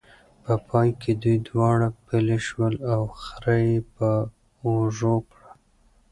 په پای کې دوی دواړه پلي شول او خر یې په اوږو کړ.